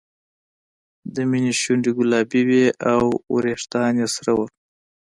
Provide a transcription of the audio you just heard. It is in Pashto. د مینې شونډې ګلابي وې او وېښتان یې سره وو